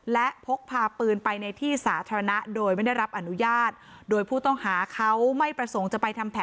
และพกพาปืนไปในที่สาธารณะโดยไม่ได้รับอนุญาตโดยผู้ต้องหาเขาไม่ประสงค์จะไปทำแผน